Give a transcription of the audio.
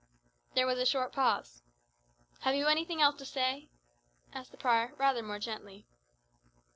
There was a short pause. "Have you anything else to say?" asked the prior rather more gently.